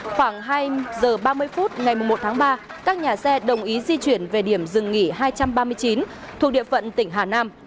khoảng hai giờ ba mươi phút ngày một tháng ba các nhà xe đồng ý di chuyển về điểm dừng nghỉ hai trăm ba mươi chín thuộc địa phận tỉnh hà nam